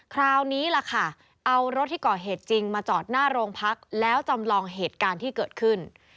คราวนี้ล่ะค่ะเอารถที่ก่อเหตุจริงมาจอดหน้าโรงพักแล้วจำลองเหตุการณ์ที่เกิดขึ้น